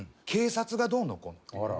警察がどうのこうの。